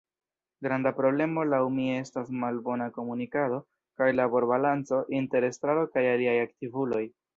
Granda problemo laŭ mi estas malbona komunikado kaj laborbalanco inter Estraro kaj aliaj aktivuloj.